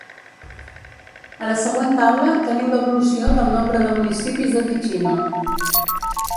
A la següent taula teniu l'evolució del nombre de municipis de Ticino.